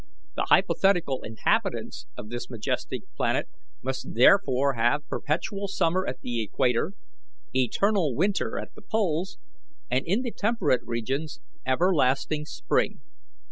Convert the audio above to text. The hypothetical inhabitants of this majestic planet must therefore have perpetual summer at the equator, eternal winter at the poles, and in the temperate regions everlasting spring.